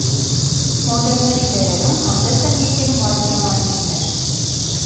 Մոդելների դերերում հանդես են եկել մարմնամարզիկներ։